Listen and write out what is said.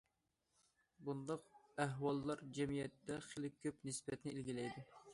بۇنداق ئەھۋاللار جەمئىيەتتە خېلى كۆپ نىسبەتنى ئىگىلەيدۇ.